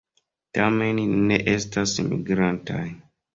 Tamen ili ne estas migrantaj.